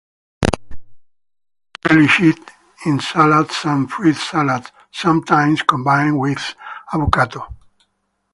It is relished in salads and fruit salads, sometimes combined with avocado.